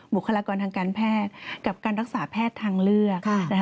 บุคลากรทางการแพทย์กับการรักษาแพทย์ทางเลือก